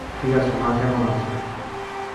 ঠিক আছে, মা কেমন আছে?